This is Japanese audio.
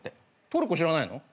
トルコ知らないの？